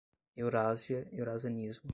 Eurásia, eurasianismo